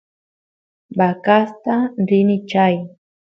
vacasta rini chay